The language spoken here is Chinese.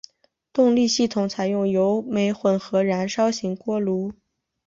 动力系统采用油煤混合燃烧型锅炉。